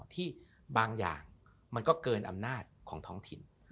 ที่บางอย่างมันก็เกินอำนาจของท้องถิ่น